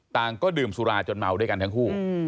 ก็ดื่มสุราจนเมาด้วยกันทั้งคู่